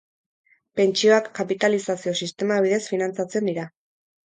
Pentsioak kapitalizazio sistema bidez finantzatzen dira.